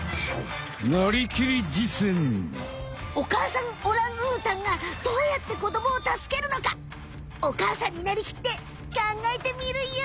お母さんオランウータンがどうやって子どもを助けるのかお母さんになりきってかんがえてみるよ！